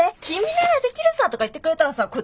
「君ならできるさ！」とか言ってくれたらさ